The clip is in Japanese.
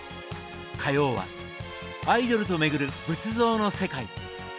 火曜は「アイドルと巡る仏像の世界」。